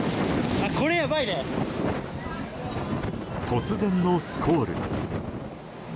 突然のスコール。